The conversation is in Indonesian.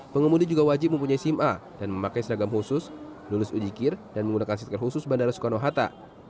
pengemudi juga wajib mempunyai sim a dan memakai seragam khusus lulus ujikir dan menggunakan stiker khusus bandara soekarno hatta